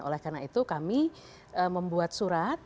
oleh karena itu kami membuat surat